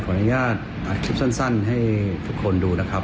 อนุญาตอัดคลิปสั้นให้ทุกคนดูนะครับ